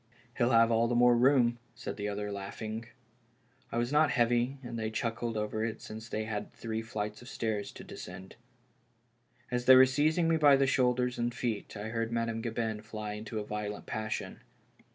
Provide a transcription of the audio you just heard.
" He'll have all the more room," said the other, laugh ing. I was not heavy, and they chuckled over it since they had three flights of stairs to descend. As they were seizing me by the shoulders and feet, I heard Madame Gabin fly into a violent passion.